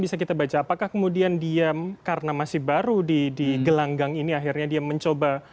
bisa kita baca apakah kemudian diam karena masih baru di gelanggang ini akhirnya dia mencoba